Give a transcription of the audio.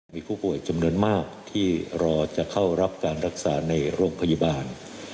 มีผู้ป่วยจำนวนมากที่รอจะเข้ารับการรักษาในโรงพยาบาล